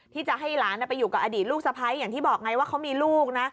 ที่จะให้หลานไปอยู่กับอดีตลูกสะพ้ายอย่างที่บอกไงว่าเขามีลูกนะ